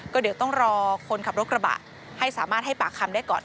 ก็เดี๋ยวต้องรอคนขับรถกระบะให้สามารถให้ปากคำได้ก่อน